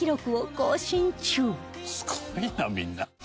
「すごいなみんな」